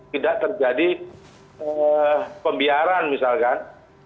tidak terjadi pembiaran misalkan